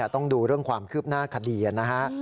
ต้องดูเรื่องความคืบหน้าคดีนะฮะ